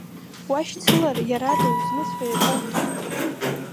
Уашьцылар иарада узмыцәо иабоуҭаху.